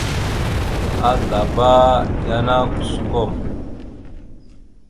Azlaba yana kusəkom.